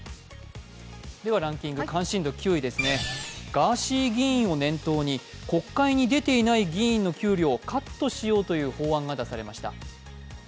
ガーシー議員を念頭に国会に出ていない議員の給料をカットしようという法案が出されました。